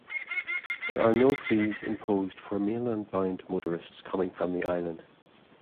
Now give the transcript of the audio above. There are no fees imposed for mainland-bound motorists coming from the island.